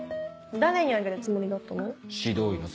誰にあげるつもりだったの？